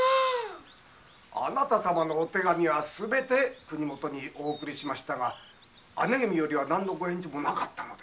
あなた様のお手紙はすべて国もとにお送りしましたが姉君よりの御返事はなかったので？